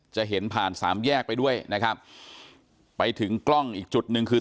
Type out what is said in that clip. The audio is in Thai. จะเห็นผ่านสามแยกไปด้วยนะครับไปถึงกล้องอีกจุดหนึ่งคือ